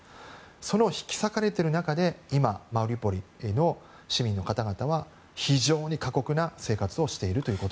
その引き裂かれている中で今マリウポリの市民の方々は非常に過酷な生活をしていると。